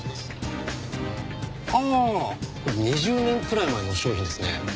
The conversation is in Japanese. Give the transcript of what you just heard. ２０年くらい前の商品ですね。